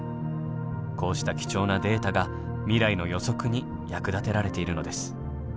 こうした貴重なデータが未来の予測に役立てられているのです。